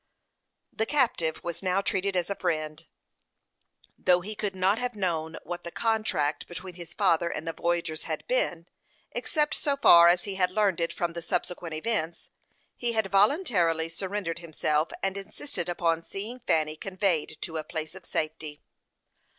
The captive was now treated as a friend. Though he could not have known what the contract between his father and the voyagers had been, except so far as he had learned it from the subsequent events, he had voluntarily surrendered himself, and insisted upon seeing Fanny conveyed to a place of safety.